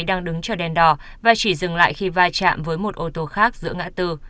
đang đứng chờ đèn đỏ và chỉ dừng lại khi va chạm với một ô tô khác giữa ngã tư